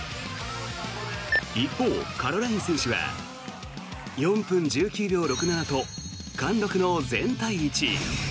一方、カロライン選手は４分１９秒６７と貫禄の全体１位。